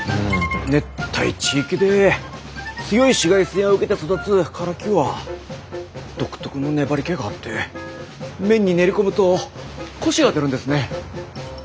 熱帯地域で強い紫外線を受けて育つカラキは独特の粘りけがあって麺に練り込むとコシが出るんですね。